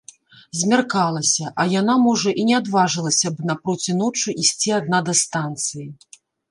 Змяркалася, а яна, можа, і не адважылася б напроці ночы ісці адна да станцыі.